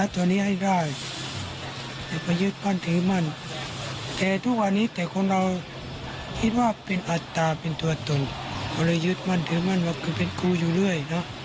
ต้องละยึดมั่นถือมั่นว่าคือเป็นครูอยู่เรื่อย